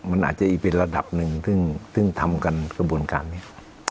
มันอาจจะอีกเป็นระดับหนึ่งซึ่งทำกันกระบวนการนี้